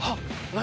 何？